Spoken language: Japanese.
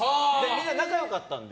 みんな、仲良かったんで。